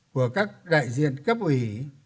của các đại diện cấp ủy